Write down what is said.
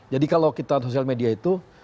jadi kalau kita social media itu